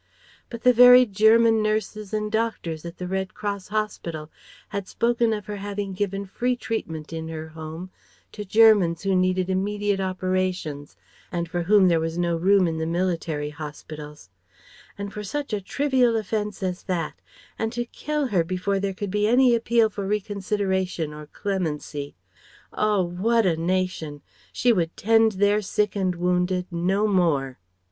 But the very German nurses and doctors at the Red Cross hospital had spoken of her having given free treatment in her Home to Germans who needed immediate operations, and for whom there was no room in the military hospitals And for such a trivial offence as that and to kill her before there could be any appeal for reconsideration or clemency. Oh what a nation! She would tend their sick and wounded no more.